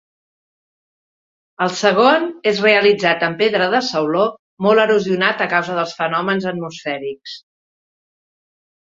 El segon és realitzat en pedra de sauló, molt erosionat a causa dels fenòmens atmosfèrics.